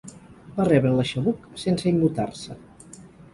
Va rebre l'eixabuc sense immutar-se.